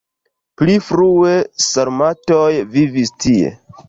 Pli frue sarmatoj vivis tie.